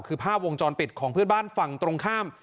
คือภาพวงจรปิดของเพื่อนบ้านฝั่งตรงข้าม